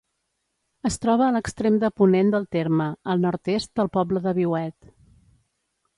Es troba a l'extrem de ponent del terme, al nord-est del poble de Viuet.